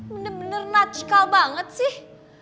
bener bener nacikal banget sih